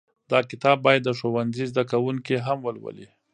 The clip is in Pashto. دا کتاب باید د ښوونځي زده کوونکي هم ولولي.